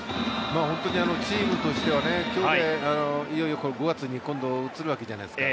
チームとしてはいよいよ５月に移るわけじゃないですか。